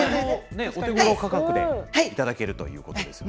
お手ごろ価格で頂けるということですね。